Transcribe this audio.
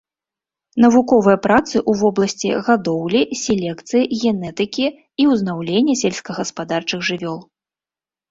Навуковыя працы ў вобласці гадоўлі, селекцыі, генетыкі і ўзнаўлення сельскагаспадарчых жывёл.